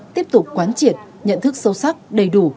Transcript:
tiếp tục quán triệt nhận thức sâu sắc đầy đủ